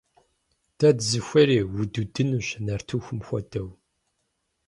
Дэ дызыхуейри? Удудынынущ! Нартыхум хуэдэу.